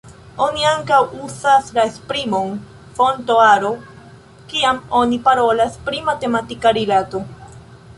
Oni ankaŭ uzas la esprimon «fonta aro» kiam oni parolas pri matematika rilato.